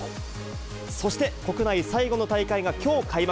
そして国内最後の大会がきょう開幕。